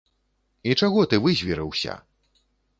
І чаго ты вызверыўся?